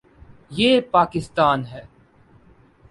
یہ پاکستان ہے۔